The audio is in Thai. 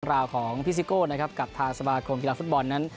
ราวของพี่ซิโก้นะครับกับทางสมาคมกีฬาฟุตบอลนั้น